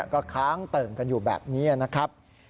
ก็ค้างเติ่งกันอยู่แบบนี้นะครับ